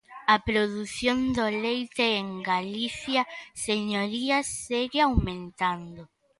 A produción do leite en Galicia, señorías, segue aumentando.